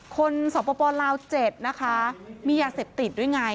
สปลาว๗นะคะมียาเสพติดด้วยไง